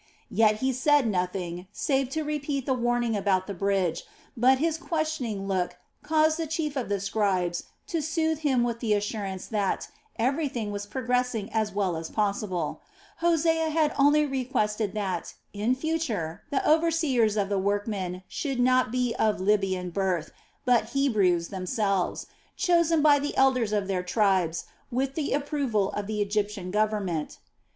Yet he said nothing save to repeat the warning about the bridge, but his questioning look caused the chief of the scribes to soothe him with the assurance that everything was progressing as well as possible. Hosea had only requested that, in future, the overseers of the workmen should not be of Libyan birth, but Hebrews themselves, chosen by the elders of their tribes with the approval of the Egyptian government.